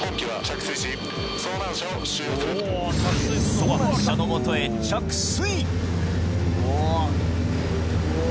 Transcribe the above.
遭難者の元へ着水。